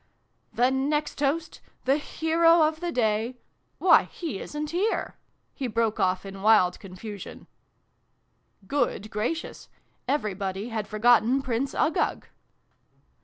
" The next toast the hero of the day why, he isn't here !" he broke off in wild confusion. Good gracious ! Everybody had forgotten Prince Uggug